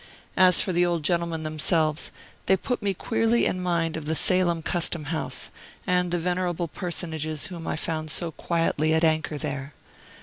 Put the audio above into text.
As for the old gentlemen themselves, they put me queerly in mind of the Salem Custom House, and the venerable personages whom I found so quietly at anchor there.